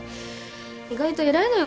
意外と偉いのよ